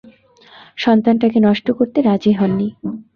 সন্তানটাকে নষ্ট করতে রাজি হননি।